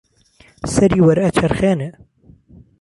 سەری وەرئەچەرخێنێ